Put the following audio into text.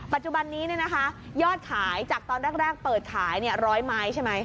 ปัจจุบันนี้ยอดขายจากตอนแรกเปิดขาย๑๐๐ไม้ใช่ไหม